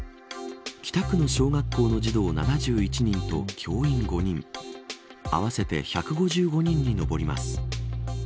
北区の小学校の児童７１人と教員５人合わせて１５５人に上ります。